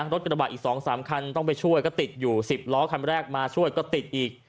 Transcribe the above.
รถกระบะอีก๒๓คันต้องไปช่วยก็ติดอยู่๑๐ล้อคันแรกมาช่วยก็ติดอีก